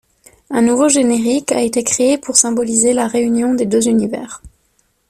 Un nouveau générique a été créé pour symboliser la réunion des deux univers.